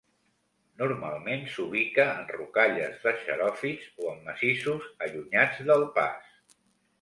Normalment s'ubica en rocalles de xeròfits o en massissos allunyats del pas.